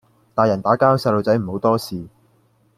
大人打架細路仔唔好多事